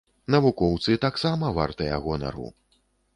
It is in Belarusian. Навукоўцы таксама вартыя гонару.